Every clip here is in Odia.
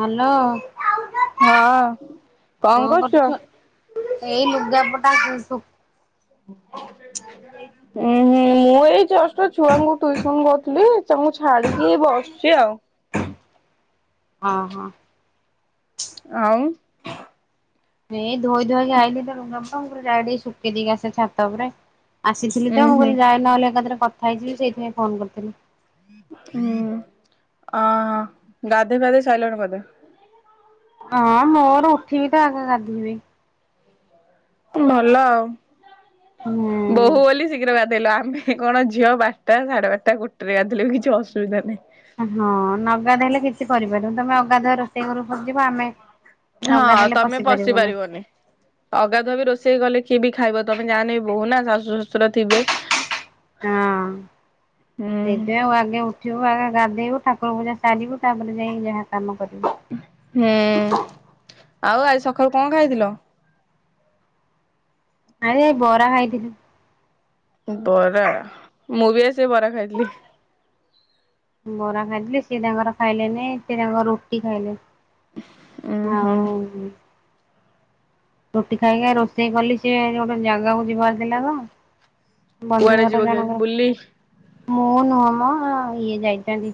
ହ୍ୟାଲୋ ହଁ କଣ କରୁଛୁ? ଏଇ ଲୁଗା ପଟା ସି ସୁଖ। [unintelligible] ଯାଇଚି ଉୁଁ ଖୋପାଡ଼ି ହୁଁ ଦେଇଚି। ମୁଁ ଏଇ ଜଷ୍ଟ ଛୁଆଙ୍କୁ ଟୁଇସନ କରୁଥିଲି ତାଙ୍କୁ ମୁଁ ଛାଡିକି ବସିଛି ଆଉ। ହଁ ହଁ ଆଉ। ଏଇ ଧୋଇ ଧୁଆକି ଆଇଲି ତ ରୁଙ୍ଗଙ୍କ ମୁଁ କହିଲି ଯାଏ ଟିକେ ଶୁଖେଇ ଦେଇକି ଆସେ ଛାତ ଉପରେ। ଆସିଥିଲି ଉୁଁ ତ ମୁଁ ହୁଁ କହିଲି ଯାଏ ନହେଲେ ଏକାଥରେ କଥା ହେଇଯିବି ସେଇଥିପାଇଁ ଫୋନ କରିଥିଲି। ହୁଁ ଅ ହଁ ଗାଧେଇ ପାଧେଇ ସାଇଲଣି ବୋଧେ? ହଁ ମୋର ଉଠି ବି ତ ଆଗ ଗାଧେଇବି। ଭଲ ଆଉ ହୁଁ। ବୋହୂ ବୋଲି ଶୀଘ୍ର ଗା ଦେଲ ଆମେ କଣ ଝିଅ ବାରଟା ସାଢେ ବାରଟା ଗୋଟେରେ ଗାଧେଇଲେ ବି କିଛି ଅସୁବିଧା ନାହିଁ। ହଁ ନ ଗାଧେଇଲେ କିଛି କରିପାରନି ତମେ ଅଗାଧୁଆ ରୋଷେଇ ଘର କୁ ପଶିଯିବ ଆମେ। ହଁ ନଗାଧୋଇଲେ ତମେ ପଶି ପାରିବୁନୁ ହଁ। ପାରିବନି ଅଗାଧୁଆ ବି ରୋଷେଇ କଲେ। କିଏ ବି ଖାଇବ ତମେ ଯାହେନେ ବି ବୋହୁ ନା ଶାଶୁ ଶଶୁର ଥିବେ। ହଁ ହୁଁ ସେଇଥିପାଇଁ ଉ ଆଗେ ଉଠିବୁ ବୁ ଗାଧେଇବୁ ଠାକୁର ପୂଜା ସାରିବୁ ତାପରେ ଯାଇକି ଯାହା କାମ କର ହେଁ ଆଉ ଆଜି ସକାଳୁ କଣ ଖାଇଥିଲ? ଆରେ ବରା ଖାଇଥିଲି। ବରା ମୁବି ଆଜି ସେଇ ବରା ଖାଇଥିଲି। ବରା ଖାଇଥିଲି ସିଏ ତାଙ୍କର ଖାଇଲେ ନି ସେ ତାଙ୍କର ରୁଟି ଖାଇଲେ। ହଉ। ରୁଟି ଖାଇକି ରୋଷେଇ କଲି ସେି ଗୋଟେ ଜାଗାକୁ ଯିବାର ଥିଲା ତ। ବନ୍ଧୁ କୁଆଡେ ଘର ଯିବ କି ଆଜି ବୁଲି? ଜଣଙ୍କର। ମୁଁ ନୁହଁ ମ ଇଏ ଯାଇଛନ୍ତି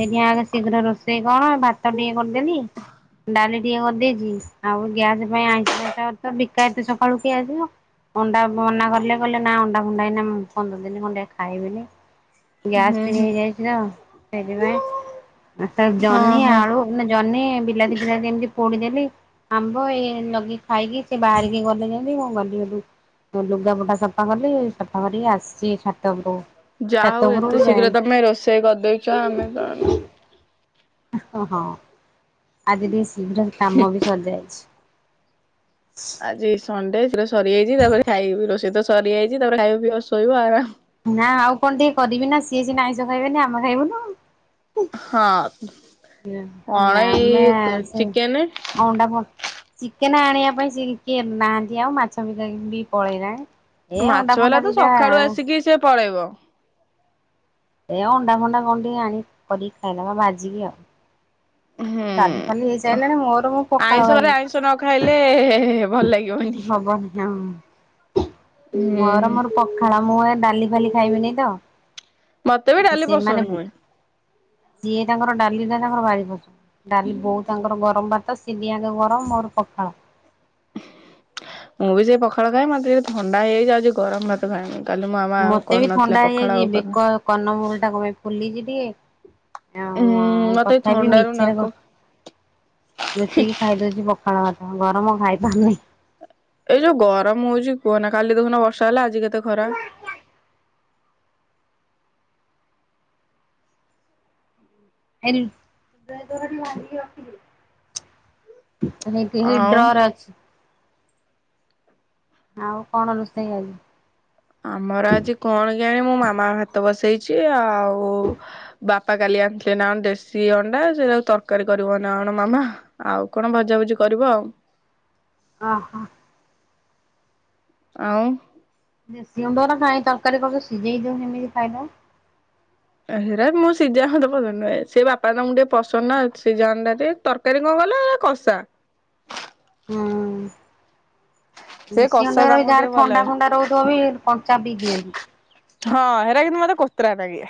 ସେଠି ଆଗ ଶୀଘ୍ର ରୋଷେଇ କଣ ଭାତ ଟିକେ କରିଦେଲି ଡାଲି ଟିକେ କରିଦେଇଚି ଆଉ ଗ୍ୟାସ ପାଇଁ ଆଇ ତାରତ ବିକାଠୁ ସକାଳୁ କିଏ ଆସିବ। ଅଣ୍ଡା ମନା କଲେ କହିଲେ ନା ଅଣ୍ଡା ଫଣ୍ଡା ହେନା ମୁଁ ପନ୍ଦର ଦିନ ଖଣ୍ଡେ ଖାଇବିନି। ଗ୍ୟାସ ହୁଁ ଟି ହୁଁ ହେଇଯାଇଚି ତ ସେଥିପାଇଁ। ହଁ ଜହ୍ନି ହଁ। ଆଳୁ ନାଁ ଜହ୍ନି ବିଲାତି ଫିଲାତି ଏମିତି ପୋଡିଦେଲି ଆମ୍ବ ଏଇ ଲଗେଇି ଖାଇକି ସେ ବାହାରିକି ଗଲେଜିନ୍ତି ମୁଁ ଗଲି ହେଠୁ ଲୁଗାପଟା ସଫା କଲି ସଫା କରିକି ଆସିଛି ଛାତଉପରକୁ। ଯାହା ହଉ ଏତେ ଶୀଘ୍ର ତମେ ରୋଷେଇ କରିଦେଇଛ ଆମେ ତ। ହଁ ଆଜି ଟିକେ ଶୀଘ୍ର କାମ ବି ସରିଯାଇଛି। ଆଜି ସଣ୍ଡେ ସେଟା ସରିଯାଇଛି ତାପରେ ଖାଇବି ରୋଷେଇ ତ ସରିଯାଇଛି ତାପରେ ଖାଇବ ପିଇବ ଶୋଇବ ତାପରେ ଆରାମ। ନା ଆଉ କଣ ଟିକେ କରିବି ନା ସିଏ ସିନା ଆଇଁଷ ଖାଇବେନି ଆମେ ଖାଇବୁନୁ। ହଁ କଣ ଆମେ ଏଇ ସେ ଚିକେନ ଅଣ୍ଡା ଫନ ଚି କେନ ଆଣିବା ପାଇଁ ସେ କିଏ ନାହାନ୍ତି ଆଉ ମାଛ ବିକା ବି ପଳେଇଲାଣି। ଏ ଅଣ୍ଡା ମାଛ ଫଣ୍ଡା ବାଲା ତ ଦିଟା ସକାଳୁ ଆସିକି ସେ ପଳେଇବ। ଏ ଅଣ୍ଡା ଫଣ୍ଡା କଣ ଟିକେ ଆଣି କରିିକି ଖାଇଦବା ଭାଜିକି ଆଉ। ହୁଁ ଡାଲି ଫାଲି ହେଇସାରିଲାଣି ମୋର ମୁଁ ପଖାଳ ଆଇଁଷ ପରେ ଖାଇବି ଆଇଁଷ ନ ଖାଇଲେ। ଭଲ ଲାଗିବନି। ହବନି ହଁ ମୋର ହୁଁ। ମୋର ପଖାଳ ମୁଁ ଏ ଡାଲି ଫାଲି ଖାଇବିନି ତ। ମତେ ବି ଡାଲି ପସନ୍ଦ ସେମାନେ ନୁହେଁ। ସିଏ ତାଙ୍କର ଡାଲି ନା ତାଙ୍କର ଭାରି ପସନ୍ଦ ଡାଲି ବହୁ ତାଙ୍କର ଗରମ ଭାତ ସିଏ ସିଏ ଦିହାଙ୍କ ଗରମ ମୋର ପଖାଳ। ମୁଁ ବି ସେ ପଖାଳ ଖାଏ ମତେ ଟେ ଥଣ୍ଡା ହେଇଯାଉଛି ଯାଉଚି ଗରମ ଭାତ ଖାଇଏମି। ମତେ ବି ଥଣ୍ଡା ହେଇଯାଇଛି ବେକ କରନମୂଲ ଟା କଣପାଇଁ ଫୁଲିଛି ଟିକେ। ଉଁ ଓ ମତେ ଏଇ ତଥାପି ଥଣ୍ଡାରୁ ମିଛରେ ନାକ କଣ ଲୁଚେଇିକି ଖାଇଦଉଛି ପଖାଳ ଭାତ ଗରମ ଖାଇପାରୁନି। ଏଇ ଯୋଉ ଗରମ ହଉଚି କୁହନା କାଲି ଦେଖୁନ ବର୍ଷା ହେଲା ଆଜି କେତେ ଖରା। ଟିକେ ଭାଜିକି ରଖିଦିଏ। ହେ କି ହେଇ ଆଉ ଡ୍ରରେ ଅଛି। ଆଉ କଣ ରୋଷେଇ ଆଜି? ଆମର ଆଜି କଣ କେୟାନି ମୁଁ ମାମା ଭାତ ବସେଇଛି ଆଉ ବାପା କାଲି ଆଣିଥିଲେ ନା ଦେଶୀ ଅଣ୍ଡା ଆଉ ତରକାରୀ କରିବ ନା କଣ ମାମା ଆଉ କଣ ଭଜାଭୁଜି କରିବ ଆଉ। ଅ ହୋ। ଆଉ। ଦେଶୀ ଅଣ୍ଡା ଗୁରା କାଇଁ ତରକାରୀ କରୁଚ ସିଝେଇ ଦଉ ସେମିତି ଖାଇଦଵ। ହେରା ମୁଁ ସିଝା ମତେ ପସନ୍ଦ ନୁହେଁ। ସେ ବାପା ତମକୁ ଟିକେ ପସନ୍ଦ ନା ସିଝା ଅଣ୍ଡା ଟିକେ ତରକାରୀ କଣ ଭଲ ହେଲା କଷା। ହଁ। ସେ ଦେଶି କଷା ଅଣ୍ଡା ବି ତାଙ୍କୁ ଟିକେ ଯହାର ଭଲ ଥଣ୍ଡା ଲାଗେ। ଫଣ୍ଡା ରହୁଥିବ ବି କଞ୍ଚା ବି ଦିଅନ୍ତି। ହଁ ହେରାକିନ୍ତୁ ମତେ କତୋରାନାଗେ।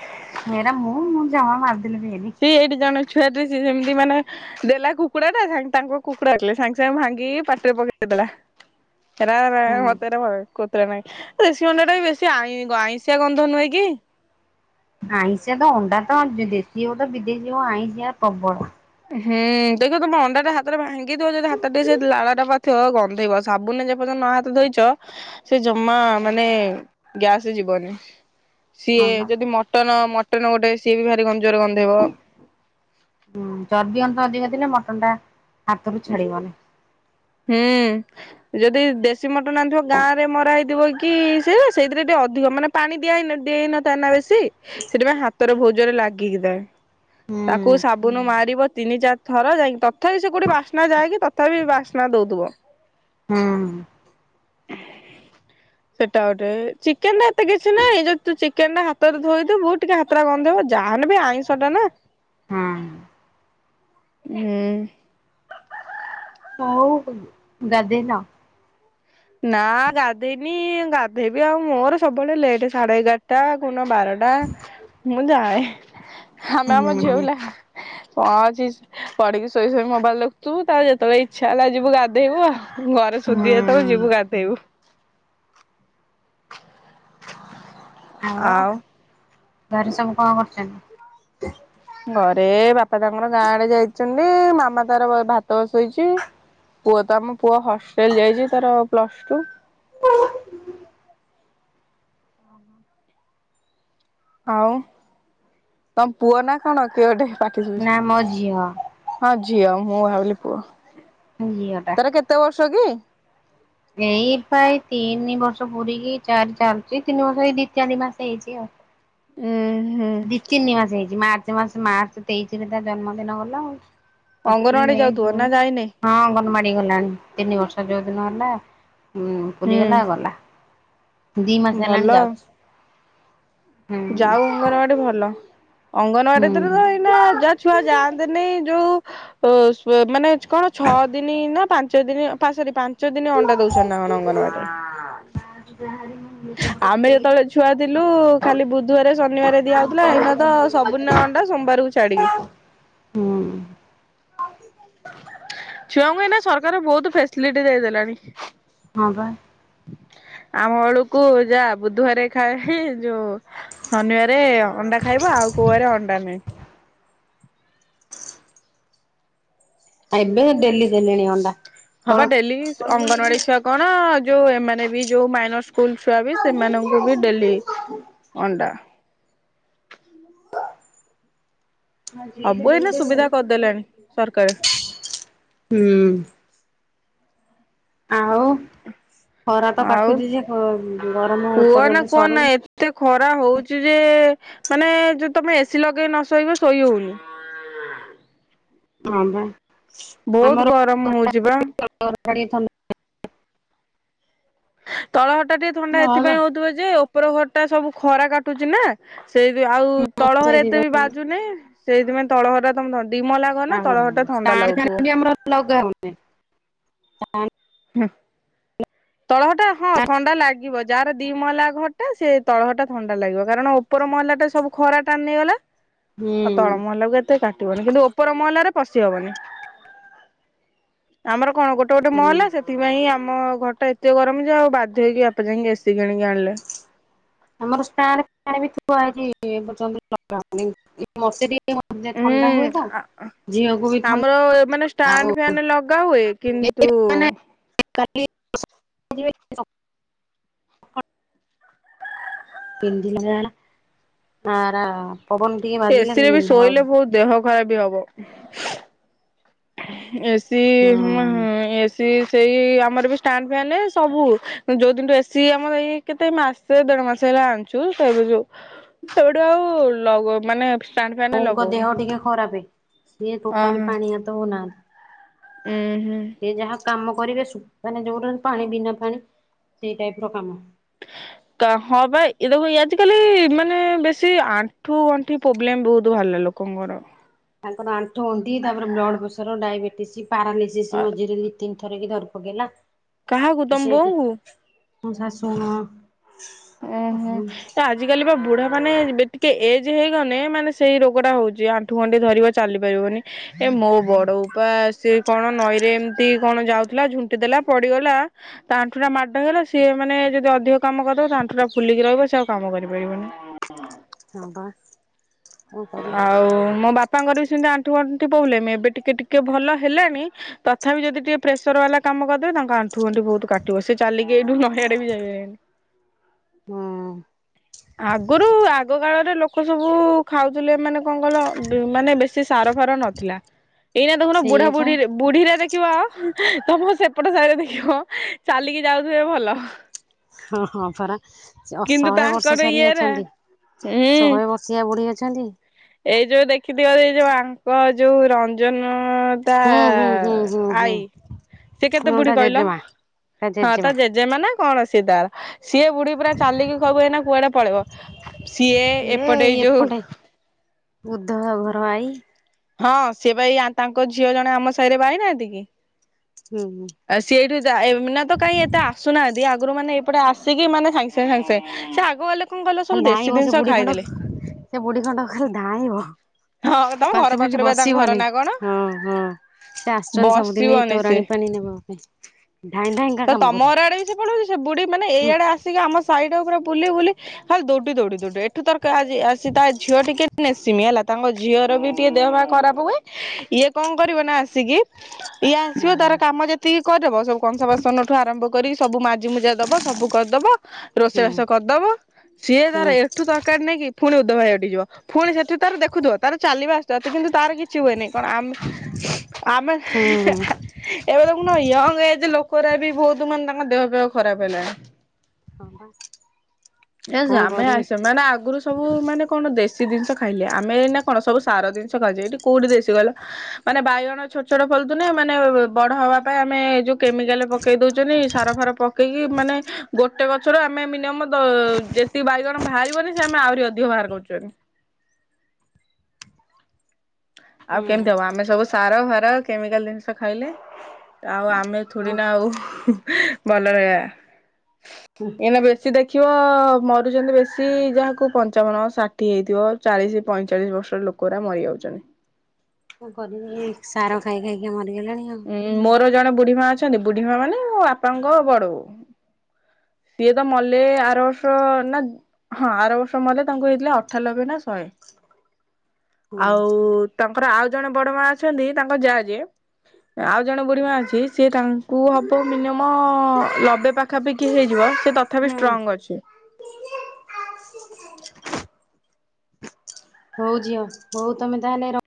ହେରା ମୁଁମୁଁ ଜମା ମାର ସିଏ ଏଇଠି ଜଣେ ଛୁଆ ଦେଇଛି ଯେମିତି ମାନେ ଦେଲା କୁକୁଡ଼ା ଟା ସା ତାଙ୍କ କୁକୁଡ଼ା କିଲେ ସାଙ୍ଗେ ସାଙ୍ଗେ ଭାଙ୍ଗି ପାଟିରେ ପକେଇଦେ ଦେଲା ହେରା ରା ହୁଁ ମତେ ହେରା। ନାଇ ଦେଶୀ ଅଣ୍ଡା ଟା ବି ବେଶି ଆଇଁ ଆଇଁଷିଆ ଗନ୍ଧ ନୁହେଁ କି? ସିଏ ଯୋଉ ଆଇଁଶିଆ ପ୍ରବଳ। ହୁଁ ଦେଖିବ ତମେ ଅଣ୍ଡା ଟା ହାତରେ ଭାଙ୍ଗି ଦିଅ ଯଦି ହାତରେ ଟିକେ ସେ ଲାଳ ଟା ପଡଥିବ ଗନ୍ଧେଇବ ସାବୁନ ରେ ଯେପର୍ଜନ୍ତ୍। ନ ହାତ ଧୋଇଚ। ସେ ଜମା ମାନେ ଗ୍ୟାସ ଯିବନି ହଁ ସିଏ ବା। ଯଦି ମଟନ। ଗୋଟେ ସିଏ ବି ଭାରି କମଜୋର ଗନ୍ଧେଇବ। ହୁଁ ଚର୍ବି ଅଂଶ ଅଧିକା ଥିଲେ ମଟନ ଟା ହାତରୁ ଛାଡି ବନି। ହୁଁ। ଯଦି ଦେଶୀ ମଟନ ଆଣିଥିବ ଗାଁରେ ମରା ହେଇଥିବ କି ସେ ସେଇଥିରେ ଜଦି ଅଧିକ ମାନେ ପାଣି ଦିଆ ହେଇ ଦେଇନ ନ ଥାଏ ନା ବେଶୀ ସେଥିପାଇଁ ହାତରେ ବହୁତ ଜୋରେ ଲାଗିକି ଥାଏ। ହୁଁ ତାକୁ ସାବୁନ ମାରିବ ତିନି ଚାରି ଥର ଯାଇକି ତଥାପି ସେ କୋଉଠି ବାସ୍ନା ଯାଏକି ତଥାପି ବାସ୍ନା। ହୋଉଥିବ। ହୁଁ। ହ। ସେଟା ଗୋଟେ ଚିକେନ ଟା ଏତେ କିଛି ନହିଁ ଯଦି ତୁ ଚିକେନ ଟା ହାତରେ ଧୋଇଦବୁ ‌ଟିକେ ହାତଟା ଗନ୍ଧେଇବ। ଯାହା‌ ହେଲେ ବି ଆଇଁଷଟା ନା। ହୁଁ ହୁଁ। ହଉ ଗାଧେଇନ। ନା ଗାଧେଇନି ଗାଧେଇବି ଆଉ ମୋର ସବୁବେଳେ ଲେଟ ସାଢେ ଏଗାରଟା କୋଉ ଦିନ ବାରେ ଟା ମୁଁ ଜାଏ ଆମେ ଆମ ଝିଅ ହୁଁ ପିଲା। କଁ ଅଛି ପଢିକି ଶୋଇ ଶୋଇ ମୋବାଇଲ ଦେଖୁ ଥୀବୁ ତା ପରେ ଯେତେବେଳେ ଇଚ୍ଛା ହେଲା ଯିବୁ ଗାଧେଇବୁ ଆଉ। ଘରେ ସୋଧିବେ ଯେତେବେଳେ ହୁଁ ଯିବୁ ଗାଧେଇବୁ। ଆଉ। ଘରେ ସବୁ କଁ କରୁଚନ୍ତି। ଘରେ ବାପା ତାଙ୍କର ଗାଁ ଆଡେ ଯାଇଚନ୍ତି ମାମା ତାର ଭାତ ବସେଇଛି। ପୁଅ ତ ଆମ ପୁଅ ହଷ୍ଟେଲ ଯାଇଛି ତାର ପ୍ଲସ ଟୁ। ଆଉ ତମ ପୁଅ ନା କଣ କିଏ ଗୋଟେ। ପାଟି ଶୁଭୁଚି ନା ମୋ ଝିଅ ହଁ ଝିଅ। ମୁଁ ଭାବିଲି ପୁଅ ତାର କେତେ ବର୍ଷ କି। ଏଇପା ଏଇ ତିନି ବର୍ଷ ପୁରୀକି ଚାରି ଚାଲୁଛି ତିନି ବର୍ଷ ଏଇ ଦି ଚାରି ମାସ ହେଇଛି ଆଉ। ଉଁ। ଦି ତିନି ମାସ ହେଇଛି ମାର୍ଚ୍ଚ ମାସ ମାର୍ଚ୍ଚ ତେଇଶି ରେ ତା ଜନ୍ମଦିନ ଗଲା ଆଉ। ଏପ୍ରିଲ ଅଙ୍ଗନବାଡି ମେ ଯାଉଥିବ ଜୁନ୍ ନା ଯାଇନି ହଁ ଅଙ୍ଗ ବାଡି ଗଲାଣି ତିନି ବର୍ଷ ଯୋଉ ଦିନ ହେଲା ଉ ପୁରୀ ଗଲା ହୁଁ ଗଲା। ଦି ମାସେ ଭଲ ହେଲାଣି ଆଉ। ଯାଉଛି। ହୁଁ ଯାଉ ଅଙ୍ଗନବାଡି ଭଲ। ଅଙ୍ଗନବାଡି ହୁଁ ତିରେ ତ ଏଇନା ଯା ଛୁଆ ଯାଅନ୍ତେନି ଯୋଉ। ଓ ସ୍ଵ ମାନେ କଣ ଛଅ ଦିନ ନା ପାଞ୍ଚ ଦିନ ପା ସରୀ ପା ପାଞ୍ଚ ଦିନ ଅଣ୍ଡା ଦଉଛନ୍ତି ନା କଣ ଅଙ୍ଗନବାଡିରେ। ଆମେ ଯେତେବେଳେ ଛୁଆ ଥିଲୁ [unintelligible] ଖାଲି ବୁଧବାର ଶନିବାର ଦିଆ ହଉଥିଲା ଏଇନା ତ ସବୁଦିନେ ଅଣ୍ଡା ସୋମବାର କୁ ଛାଡିକି। ହୁଁ। ଛୁଆଙ୍କୁ ଏଇନା ସରକାର ବହୁତ ଫେସିଲିଟି ଦେଇ ଦେଲାଣି। ହଁ ବା। [inaudible] ଆମ ବେଳୁକୁ ଯା ବୁଧବାର ଖାଇ ଯୋଉ ଶନିବାରେ ଅଣ୍ଡା ଖାଇବ ଆଉ। କୋଉ ବାରେ ଅଣ୍ଡା ନାଇ। ଏବେ ଡେଲି ଦେଲେଣି ଆଣ୍ଡା। ହବା ଡେଲି ଅଙ୍ଗନବାଡି ଛୁଆ କଣ ଯୋଉ ଏମାନେ ବି ଯୋଉ ମାଇନସ ସ୍କୁଲ ଛୁଆ ବି ସେମାନଙ୍କୁ ବି ଡେଲି ଅଣ୍ଡା। ସବୁ ଏଇନା ସୁବିଧା କରିଦେଲାଣି ସରକାର [inaudible] ହୁଁ। ଆଉ ଖରା ତ ଆଉ କାଟୁଚିଯେ ଗରମ ଏ କୁହ ନା ପର୍ଯ୍ୟନ୍ତ କୁହ ନା ସରୁନି। ଏତେ ଖରା ହଉଛି ଯେ ମାନେ ଯ ତମେ ଏସି ଲଗେଇ ନସୋଇବ ଶୋଇ ହଉନି। [unintelligible] ହଁ ବା ବହୁତ ଆମର ଗରମ ହଉଛି ବା ଗ [inaudible] ତଳଘର ଟା ଟିକେ ଥଣ୍ଡା ଏଥିପାଇଁ ହଉଥିବ ଯେ ଉପର ଘର ଟା ସବୁ ଖରା କାଟୁଛି ନା। ସେଇଥି ଆଉ ତଳହରା ଏତେ ସେଇଥିପାଇଁ ବି ବାଜୁନି ସେଇଥିପାଇଁ ତଳଘର [inaudible] ଟାଣ ଫ୍ୟାନ ବି ଆମର ଲଗାହୋଉଛି। ହୁଁ। ତଳଘର ଟା ହଁ ଥଣ୍ଡା ଲାଗିବ। ଯାହାର ଦି ମଇଲା ଘଟା ସେ ତଳଘରଟା ଥଣ୍ଡା ଲାଗିବ କାରଣ ଉପର ମଇଲା ଟା ସବୁ ଖରା ଟାଣି ନେଇଗଲା। ହୁଁ ଆଉ ତଳ ମହଲାକୁ ଏତେ କାଟିବନି କିନ୍ତୁ ଉପର ମହଲାରେ ପଶି ହବନି ଆମର କଣ ଗୋଟେ ଗୋଟେ ହୁଁ ମହଲ ସେଥିପାଇଁ ଆମ ଘରଟା ଏତେ ଗରମ ଯ ଆଉ ବାଧ୍ୟ ହେଇକି ବାପା ଯାଇକି ଏସିି କିଣିକି ଆଣିଲେ। ଆମର ଷ୍ଟାଣ୍ଡ ଫ୍ୟାନ ଥୁଆ ହେଇଚି ଏ ପଯ୍ୟନ୍ତ ଲଗାହେଇନି ମଶୁରି ମ ଥଣ୍ଡା ହୁଏତ। ହୁଁ ଆମର ମାନେଷ୍ଟାଣ୍ଡ ଫ୍ୟାନ ଲଗା ହୁଏ କିନ୍ତୁ କାଲି ପିନ୍ଧିଲା ଆରା। ଏସି ରେ ବି ଶୋଇଲେ ବହୁତ ଦେହ ଖରାପ ବି ହବ। ଏସି ହୁଁ ଏସି ସେଇ ଆମର ବି ଷ୍ଟାଣ୍ଡ ଫାନ ସବୁ ଯୋଉ ଦିନୁ ଏସି ଆମର ଏଇ କେତେ ମାସେ ଦେଢ ମାସେ ଆଣିଛୁ ସେ ଯ ସେଇଠୁ ଆଉଗ ମାନେ ଷ୍ଟାଣ୍ଡ ଫ୍ୟାନ ବୋଉ ଙ୍କ ଲଗଉନୁ ଦେହ ଟିକେ ଖରାପ ସିଏ ଟୋଟାଲି ପାଣି ହାତ ହଉନାହାନ୍ତି। ଉ ହୁଁ। ସେ ଯାହା କାମ କରିବେ ମାନେ ଯୋଉଠ ପାଣି ବିନା ପାଣି ସେଇ ଟାଇପ ର କାମ [unintelligible] ହଁ ବା ଏଟ ଆଜିକାଲି ମାନେ ବେଶୀ ଆଣ୍ଠୁ ଗଣ୍ଠି ପ୍ରୋବ୍ଲେମ ବହୁତ ଭଲ ବାହାରିଲାଣି। ଲୋକଙ୍କର। ତାଙ୍କର ଆଣ୍ଠୁ ଗଣ୍ଠି ତାପରେ ବ୍ଲଡ଼ ପ୍ରେସର ଡାଇବେଟିସ୍ ପାରାଲିସିସ୍ ମଝିରେ ଦିଇ ତିନି ଧରି ପକେଇଲା। କାହାକୁ ତମ ସେଇଠି ବୋଉଙ୍କୁ? ଶାଶୁ ହଁ। ଓହୋ ଏ ଆଜିକାଲି ବା ବୁଢା ମାନେ ଟିକେ ଏଜ ହେଇଗଲେ ମାନେ ସେଇ ରୋଗ ଟା ହଉଛି ଆଣ୍ଠୁ ଗଣ୍ଠି ଧରିବ ଚାଲିପାରିବନି। ମୋ ବଡ ଉପା ସେ କଣ ନଈରେ ଏମିତି କଣ ଯାଉଥିଲା ଝୁଣ୍ଟି ଦେଲା ପଡିଗଲା। ତା ଆଣ୍ଠୁ ଟା ମାଡ଼ ହେଲା ସିଏ ମାନେ ଯଦି ଅଧିକ କାମ କରିଦବ ତା ଟା ଫୁଲିକି ରହିବ ସେ ଆଉ କାମ କରିପାରିବନି। ହଁ ପା। ଆଉ ମୋ ବାପା ବାପାଙ୍କର ବି ସେମିତି ଆଣ୍ଠୁ ଗଣ୍ଠି ପୋବ୍ଲେମ ଏବେ ଟିକେ ଟିକେ ଭଲ ହେଲାଣି ତଥାପି ଯଦି ଟିକେ ପ୍ରେସର ବାଲା କା କାମ କରିଦେବେ ତାଙ୍କ ଆଣ୍ଠୁ ଗଣ୍ଠି ବହୁତ କାଟିବ ସେ ଚାଲିକି ଏଇଠୁ ନାଇଁ ଆଡେବି ଯାଇପାରିବେନି। ହଁ। ଆଗରୁ ଆଗ କାଳରେ ଲୋକ ସବୁ ଖାଉଥିଲେ ମାନେ କଙ୍ଗଲ ମାନେ ବେଶି ସାର ଫାର ନଥିଲା। ଏଇନା ଦେଖୁନ ବୁଢା ସେଇଆ ପା ବୁଢୀରେ ବୁଢୀରେ ଦେଖ ଦେଖିବା ତମ ସେପଟ ସାହିରେ ଦେଖିବ ଚାଲିକି ଯାଉଥିବେ ଭଲ। ହଁ ହଁ ପରା ସ କିନ୍ତୁ ଶହେ ବର୍ଷ ତାଙ୍କର ସରି ଇଏରା ଅଛନ୍ତି ହୁଁ। ଶହେ ବର୍ଷିଆ ପଢି [unintelligible] ଅଛନ୍ତି ଏଇ ଯୋଉ ଦେଖିଥିବ ଏଇ ଯୋଉ ଆଙ୍କ ଯୋଉ ରଞ୍ଜନ ହଁ ତା ହୁଁ ହୁଁ ହୁଁ ହୁଁ ହୁଁ ଆଈ ସେ କେତେ ହଁ ବୁଢୀ ତା କହିଲ? ଜେଜେମା ହଁ ତ ଜେଜେମା ନା କଣ ସି ତାର ସିଏ ବୁଢୀ ପୁରା ଚାଲିକି କବୁ ଏଇ ନା କୁଆଡେ ପଳେଇବ। ସିଏ ଏ ଏପଟେ ଏଇ ଯୋଉ ଏପଟେ ବୁଦ୍ଧ ଘର ଭାଇ [unintelligible] ହଁ ସେ ଭାଇ ତାଙ୍କ ଝିଅ ଜଣେ ଆମ ସାହିରେ ବାାଇନାହାନ୍ତି କି? ହୁଁ ହୁଁ ଆ ସେଠୁ ଏଇନାତ କେଇ ଏତେ ଆସୁନାହାନ୍ତି ଆଗରୁ ମାନେ ଏପଟେ ଆସିକି ମାନେ ସାଙ୍ଗେ ସାଙ୍ଗେ ସାଙ୍ଗେ ସାଙ୍ଗେ ସେ ଆଗ କଣ କହିଲ ସବୁ ଖାଲି ଦେଶୀ ଧାଁବ ସେ ଜିନିଷ ବୁଢୀ ଖଣ୍ଡ ଖାଇଦେଲେ। ସେ ବୁଢୀ ଖଣ୍ଡ ଖାଲି ଧାଁବ ହଁ ତମ ଘର ପାଞ୍ଚ ମିନିଟ ପାଖରେ ବା ତାଙ୍କ ଘର ବସିିବୁନି ନା କଣ ହଁ ହଁ ସେ ଆସୁଛନ୍ତି ସବୁଦିନ ଏଇ ବସିବନି ସେ। ତୋରାଣି ପାଣି ନେବା ପାଇଁ ଧାଇଁ ଧାଇଁ ତ କାମ ତମ ଘର ଆଡେ ବି ସେ କରିବ। ପଳଉଛି ସେ ବୁଢୀ ମାନେ ହୁଁ ଏଇଆଡେ ଆସିକି ଆମ ସାଇଡ ବୁଲି ବୁଲି ଖା ଦୌଡି ଦୌଡି ଦୌଡି ଏଠୁ ତର ଆଜି ଆସି ତା ଝିଅ ଟିକେ ନେସିିମି ହେଲା। ତାଙ୍କ ଝିଅର ବି ଟିକେ ଦେହ ଭାର ଖରାପ ହୁଏ ଇଏ କଣ କରିବ ନା ଆସିକି ଇଏ ଆସିବ ତାର କାମ ଯେତିକି କରିଦେବ ସବୁ କଂସା ବାସନ ଠୁ ଆରମ୍ଭ କରି ସବୁ ମା ମୁଜା ଦବ ସବୁ କରିଦବ ହୁଁ ରୋଷେଇବାଷ କରିଦବ ସିଏ ତର ହୁଁ ଏଠୁ ତରକାରୀ ନେଇକି ପୁଣି ଭଯିବ ଫୁଣି ସେଠୁ ତାର ଦେଖ ଚାଲିବା ଆସ୍ତେ ଆସ୍ତେ କିନ୍ତୁ ତାର କି ଛି ହୁଏନି କଣ ଆମେ ଆମେ ହୁଁ ଏବେ ଦେଖୁନ ୟଙ୍ଗ ଏଜ ଲୋକ ଖୋରା ବି ବହୁତ ମାନେ ତାଙ୍କ ଦେହ ଫେହ ଖରାପ ହେଲାଣି। ହଁ ବା। [inaudible] ଏ ଝିଅ ଆମେ ସେମାନେ ଆଗରୁ ସବୁ ମାନେ କଣ ଦେଶୀ ଜିନିଷ ଖାଇଲେ ଆମେ ଏଇନା କଣ ସବୁ ସାର ଜିନିଷ ଖାଉଚେ ଏଠି କୋଉଠି ଦେଶି କହିଲ ମାନେ ବାଇଗଣ ଛୋଟ ଛୋଟ ଫଳୁ ଛନ୍ତି ମାନେ ବଡ ନ ପାଇଁ ଆମେ ଯୁ କେମିକାଲ ପକେଇ ଦଉଛନ୍ତି ସାର ଫାର ପକେଇକି ମାନେ ଗୋଟେ ଗଛରୁ ଆମେ ମିନିଅମ ଯେତିକି ବାଇଗଣ ବାହାରିବନି ସେ ଆମେ ଆହୁରି ଅଧିକ ବାହାର କରୁଛନ୍ତି। ଆଉ ହୁଁ କେମତି ହବ ଆମେ ସବୁ ସାର ଫାର କେମିକାଲ ଜିନିଷ ଖାଇଲେ। ଆଉ ଆମେ ଥୁଡି ନା ଆଉ ଭଲ ରହିବା ଏଇନା ବେଶୀ ଦେଖ ମରିଗଲେ ବେଶୀ ଯାହାକୁ ପଞ୍ଚାବନ ଷାଠିଏ ହେଇଥିବ ଚାଳିଶ ପଇଁଚାଳିଶ ବର୍ଷର ଲୋ କରା ମରି ଯାଉଛନ୍ତି। ମୁଁ କରିିବି ସାର ଖାଇ ଖାଇକି ମତେ ଉଁ ମୋର ଜଣେ ବୁଢୀମା ଅଛନ୍ତି ବୁଢୀମା ମାନେ ମୋ ବାପାଙ୍କ ବଡ ବୋଉ। ସିଏ ତ ମଲେ ଆର ବର୍ଷ ନା ହଁ ଆର ବର୍ଷ ମଲେ ତାଙ୍କୁ ହେଇଥିଲା ଅଠାଲବେ ନା ଶହେ। ହୁଁ ଆଉ ତାଙ୍କର ଆଉ ଜଣେ ବଡ ମା ଅଛନ୍ତି ତାଙ୍କ ଯାଆ ଯିଏ ଆଉ ଜଣେ ବୁଢ଼ୀମା ଅଛି ସିଏ ତାଙ୍କୁ ହବ ମିନିଅମ ଲବେ ପାଖାପାଖି ହେଇଯିବ। ସେ ତଥାପି ହୁଁ ଷ୍ଟ୍ରଙ୍ଗ ଅଛି। ହଉ ଝିଅ ହଉ ତମେ ତାହେଲେ ର